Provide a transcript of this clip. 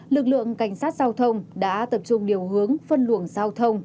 lực lượng cảnh sát giao thông đã tập trung điều hướng phân luồng giao thông